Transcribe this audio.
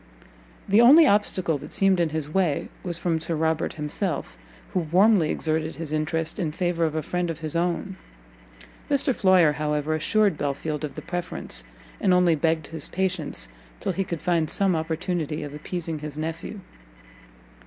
The only obstacle that seemed in his way was from Sir Robert himself, who warmly exerted his interest in favour of a friend of his own. Mr Floyer, however, assured Belfield of the preference, and only begged his patience till he could find some opportunity of appeasing his nephew.